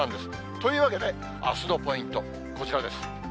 というわけで、あすのポイント、こちらです。